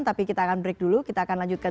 tapi kita akan break dulu kita akan lanjutkan